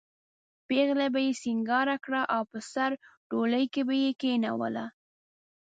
پېغله به یې سینګاره کړه او په سره ډولۍ کې به یې کېنوله.